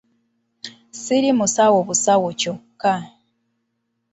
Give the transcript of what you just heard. Siri musawo busawo kyokka.